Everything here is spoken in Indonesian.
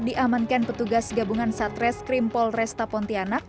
diamankan petugas gabungan satres krimpol resta pontianak